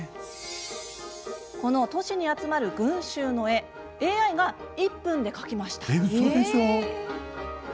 この都市に集まる群衆の絵ＡＩが１分で描きました。